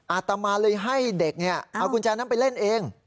อาตมาเลยให้เด็กเอากุญแจนั้นไปเล่นเอง